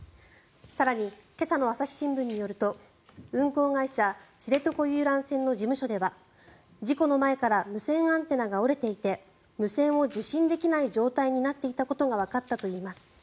更に、今朝の朝日新聞によると運航会社、知床遊覧船の事務所では事故の前から無線アンテナが折れていて無線を受信できない状態になっていたことがわかったといいます。